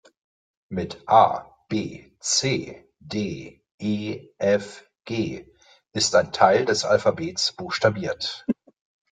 Mit A-B-C-D-E-F-G ist ein Teil des Alphabets buchstabiert!